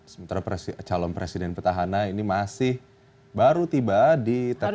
sementara calon presiden petahana ini masih baru tiba di tps